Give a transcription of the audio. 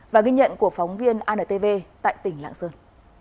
và ghi nhận của phóng viên antv tại tỉnh lạng sơn